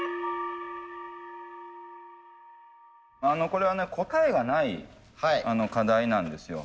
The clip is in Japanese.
これはね答えがない課題なんですよ。